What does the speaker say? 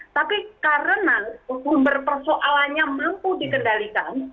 tapi karena sumber persoalannya mampu dikendalikan